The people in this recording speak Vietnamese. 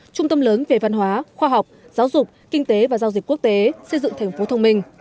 trung tâm lớn về văn hóa khoa học giáo dục kinh tế và giao dịch quốc tế xây dựng thành phố thông minh